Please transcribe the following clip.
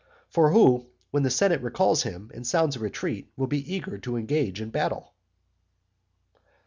For who, when the senate recals him and sounds a retreat, will be eager to engage in battle?